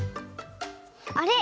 あれ？